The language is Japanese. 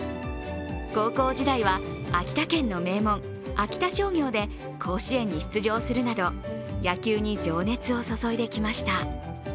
高校時代は秋田県の名門秋田商業で甲子園に出場するなど野球に情熱を注いできました。